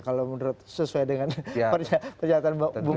kalau menurut sesuai dengan pernyataan mbak bumrik